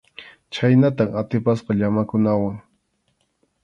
Chhaynatam atipasqa llamakunawan.